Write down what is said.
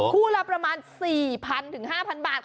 คู่ละประมาณ๔๐๐๕๐๐บาท